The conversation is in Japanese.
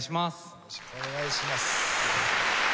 よろしくお願いします。